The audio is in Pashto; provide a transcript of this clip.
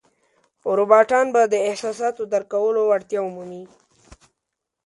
روباټان به د احساساتو درک کولو وړتیا ومومي.